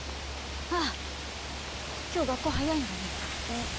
ああ、きょう学校早いんだね。